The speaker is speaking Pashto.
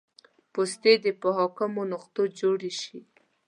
پوستې دې په حاکمو نقطو جوړې شي